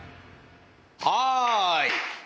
はい！